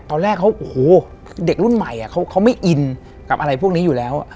ตอนแรกเขาโอ้โหเด็กรุ่นใหม่เขาไม่อินกับอะไรพวกนี้อยู่แล้ว